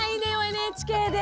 ＮＨＫで！